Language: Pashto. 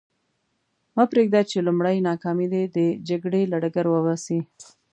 مه پرېږده چې لومړۍ ناکامي دې د جګړې له ډګر وباسي.